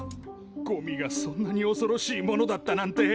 ゴミがそんなにおそろしいものだったなんて。